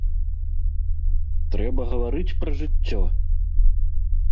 Трэба гаварыць пра жыццё!